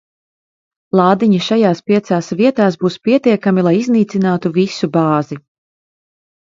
Lādiņi šajās piecās vietās būs pietiekami, lai iznīcinātu visu bāzi.